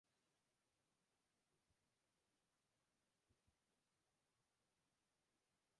Txuri-urdinek garaipena lortu nahi dute etxean, eta horrela, liga bideratzen hastea.